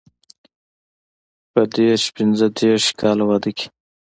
په دیرش پنځه دېرش کاله واده کې.